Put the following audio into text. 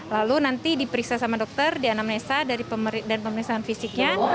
lalu nanti diperiksa sama dokter di anamnesa dan pemeriksaan fisiknya